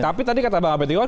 tapi tadi kata bang abed iwan